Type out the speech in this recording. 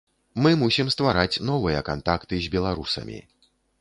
Мы мусім ствараць новыя кантакты з беларусамі.